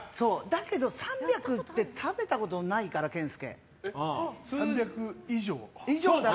だけど３００って食べたことないから、健介。